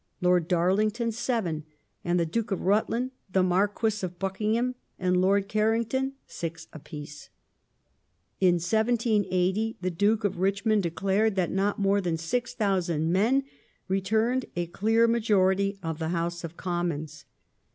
Lord Darlington seven, and the Duke of Rutland, the Marquis of Buckingham, and Lord Carrington six apiece. In 1780 the Duke of Richmond declared that not more than 6,000 men returned a clear majority of the House of Commons.